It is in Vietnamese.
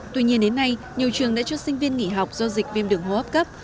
tuy nhiên đến nay nhiều trường đã cho sinh viên nghỉ học do dịch viêm đường hô hấp cấp